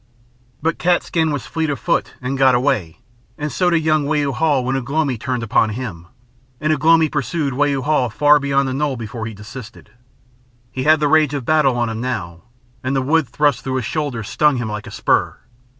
But Cat's skin was fleet of foot and got away, and so did young Wau Hau when Ugh lomi turned upon him, and Ugh lomi pursued Wau Hau far beyond the knoll before he desisted. He had the rage of battle on him now, and the wood thrust through his shoulder stung him like a spur.